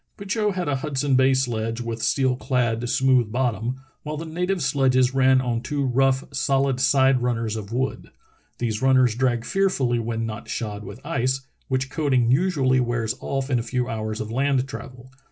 Petitot had a Hudson Bay sledge with steel clad, smooth bottom, while the native sledges ran on two rough, solid side runners of wood. These runners drag fearfully when not shod with ice, which coating usually wears off in a few hours of land travel.